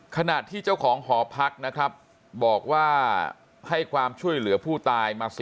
ขณะที่เจ้าของหอพักนะครับบอกว่าให้ความช่วยเหลือผู้ตายมา